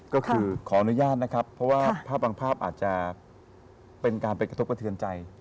ก็คือขออนุญาตนะครับเพราะว่าภาพบางภาพอาจจะเป็นการไปกระทบกระเทือนใจ